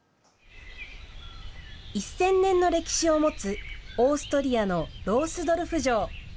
一千年の歴史を持つオーストリアのロースドルフ城。